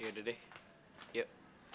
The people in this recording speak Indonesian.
yaudah deh yuk